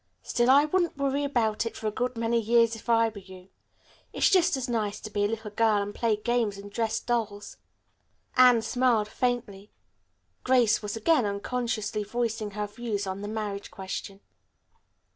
"Still I wouldn't worry about it for a good many years yet, if I were you. It's just as nice to be a little girl and play games and dress dolls." Anne smiled faintly. Grace was again unconsciously voicing her views on the marriage question.